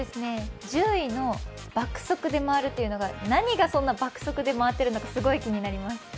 １０位の爆速で回るというのが何がそんなに爆速で回っているのかすごく気になります。